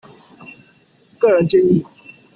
個人建議